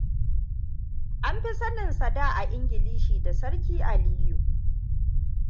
An fi saninsa da a Ingilishi da Sarki Aliyu.